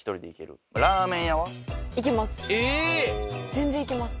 全然行けます。